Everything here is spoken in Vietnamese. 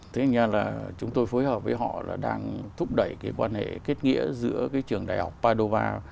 thế nên là chúng tôi phối hợp với họ là đang thúc đẩy cái quan hệ kết nghĩa giữa cái trường đại học padova